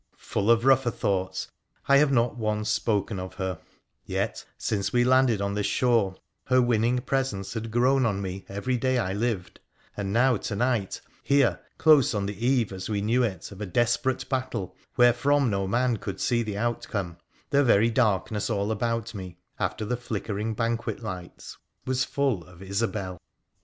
Full of rougher thoughts, I have not once spoken of her, yet, since we landed on this shore, her winning presence had grown on me every day I lived, and now to night, here, close on the eve, as we knew it, of a desperate battle, wherefrom no man could see the outcome, the very darkness all about me, after the flickering banquet lights, was full of Isobel.